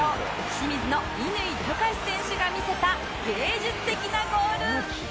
清水の乾貴士選手が見せた芸術的なゴール